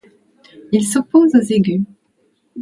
Il s'oppose aux aigus.